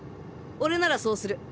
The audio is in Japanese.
俺ならそうする。